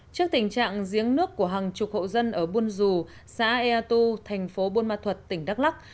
trước tình trạng giếng nước của hàng chục hộ dân ở buôn dù xã ea tu thành phố buôn ma thuật tỉnh đắk lắc